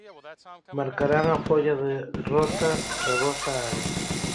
Marcarán a folla de rota da vosa área.